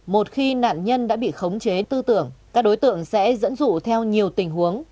một khi nạn nhân đã bị khống chế tư tưởng các đối tượng sẽ dẫn dụ theo nhiều tình huống